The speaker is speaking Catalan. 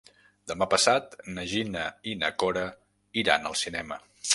Demà passat na Gina i na Cora iran al cinema.